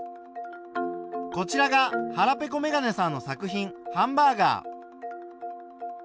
こちらがはらぺこめがねさんの作品「ハンバーガー」。